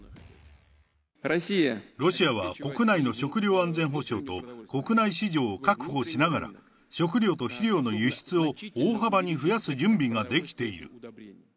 ロシアは、国内の食糧安全保障と、国内市場を確保しながら、食糧と肥料の輸出を大幅に増やす準備ができている。